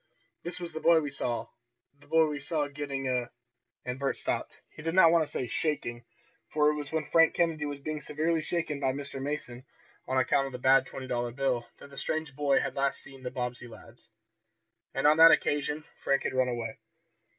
"This is the boy we saw the boy we saw getting a " And Bert stopped. He did not want to say "shaking," for it was when Frank Kennedy was being severely shaken by Mr. Mason, on account of the bad twenty dollar bill, that the strange boy had last been seen by the Bobbsey lads. And on that occasion Frank had run away.